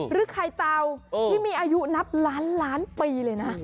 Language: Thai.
หรือไข่เตาที่มีอายุนับล้านปีเลยนะ